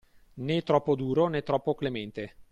Né troppo duro, né troppo clemente.